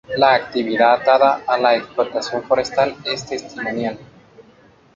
La actividad atada a la explotación forestal es testimonial.